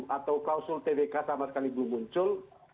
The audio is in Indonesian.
atau klausul tvk sama sekali belum muncul